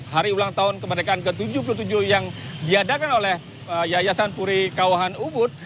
hari ulang tahun kemerdekaan ke tujuh puluh tujuh yang diadakan oleh yayasan puri kawahan ubud